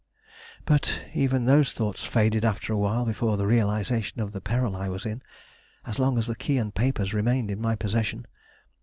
But even those thoughts faded after a while before the realization of the peril I was in as long as the key and papers remained in my possession.